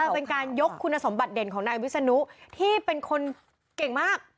เป็นการยกคุณสมบัติเด่นของนายวิศนุที่เป็นคนเก่งมาก